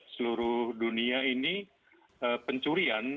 seluruh dunia ini pencurian